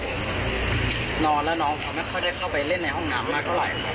นอนแล้วน้องเขาไม่ค่อยได้เข้าไปเล่นในห้องน้ำมากเท่าไหร่ครับ